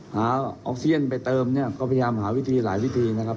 ออกเซียนไปเติมเนี่ยก็พยายามหาวิธีหลายวิธีนะครับ